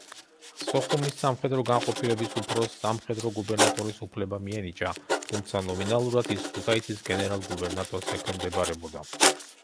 სოხუმის სამხედრო განყოფილების უფროსს სამხედრო გუბერნატორის უფლება მიენიჭა, თუმცა ნომინალურად ის ქუთაისის გენერალ-გუბერნატორს ექვემდებარებოდა.